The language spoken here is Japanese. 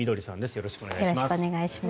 よろしくお願いします。